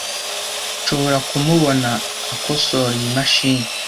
nshobora kumubona akosora iyi mashini.